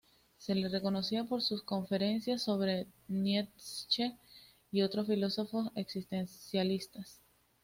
Se le reconocía por sus conferencias sobre Nietzsche y otros filósofos existencialistas.